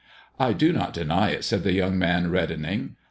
pf " I do not deny it," said the young man, reddening.